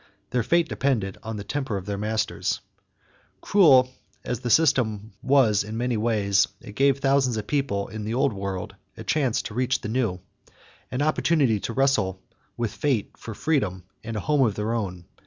Their fate depended upon the temper of their masters. Cruel as was the system in many ways, it gave thousands of people in the Old World a chance to reach the New an opportunity to wrestle with fate for freedom and a home of their own.